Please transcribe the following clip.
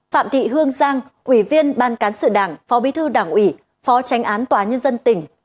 phạm thị hương giang ủy viên ban cán sự đảng phó bí thư đảng ủy phó tránh án tòa nhân dân tỉnh